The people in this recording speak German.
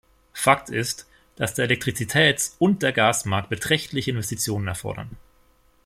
Fakt ist, dass der Elektrizitätsund der Gasmarkt beträchtliche Investitionen erfordern.